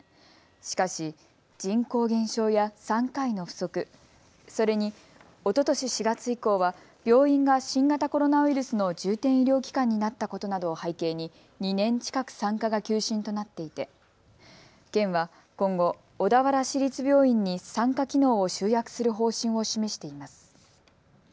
しかし人口減少や産科医の不足、それに、おととし４月以降は病院が新型コロナウイルスの重点医療機関になったことなどを背景に２年近く産科が休診となっていて県は今後、小田原市立病院に産科機能を集約する方針を示しています。